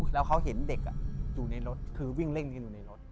แล้วเขาเห็นเด็กอยู่ในรถคือวิ่งเล่นกันอยู่ในรถ